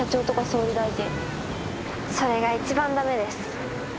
それが一番駄目です。